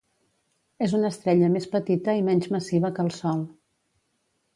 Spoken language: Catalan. És una estrella més petita i menys massiva que el Sol.